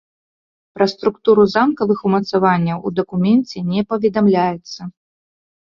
Пра структуру замкавых умацаванняў у дакуменце не паведамляецца.